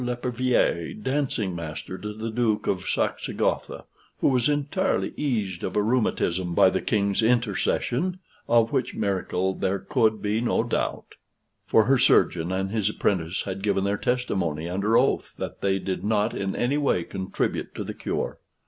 Lepervier, dancing master to the Duke of Saxe Gotha, who was entirely eased of a rheumatism by the king's intercession, of which miracle there could be no doubt, for her surgeon and his apprentice had given their testimony, under oath, that they did not in any way contribute to the cure.